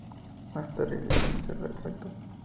Más tarde Livni se retractó.